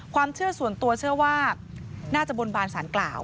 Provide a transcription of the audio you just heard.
ความเชื่อส่วนตัวเชื่อว่าน่าจะบนบานสารกล่าว